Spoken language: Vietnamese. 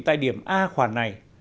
tại điểm a khoản này